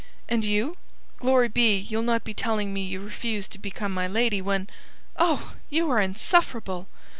"And you? Glory be, ye'll not be telling me ye refused to become my lady, when...." "Oh! You are insufferable!"